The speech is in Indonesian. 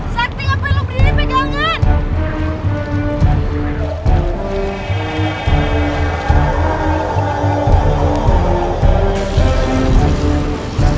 zatik ngapain lo berdiri pegangan